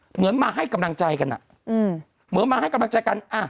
เหมือนมาให้กำลังใจกันเหมือนมาให้กำลังใจกัน